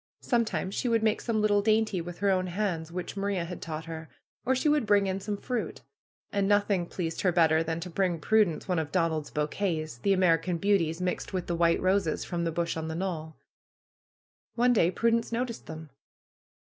Sometimes she would make some little dainty with her own hands, which Maria had taught her; or she woud bring in some fruit. And nothing pleased her better than to bring Prudence one of Donald's bouquets," the Amer ican Beauties mixed with the white roses from the bush on the knoll. One day Prudence noticed them.